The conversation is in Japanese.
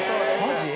マジ？